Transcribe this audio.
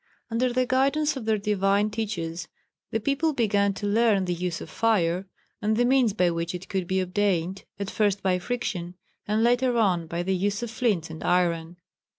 ] Under the guidance of their divine teachers the people began to learn the use of fire, and the means by which it could be obtained, at first by friction, and later on by the use of flints and iron.